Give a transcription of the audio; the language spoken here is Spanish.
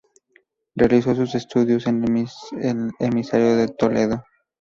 Realizó sus estudios en el seminario de Toledo.